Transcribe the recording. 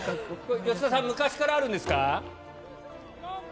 吉田さん、昔からあるんですか？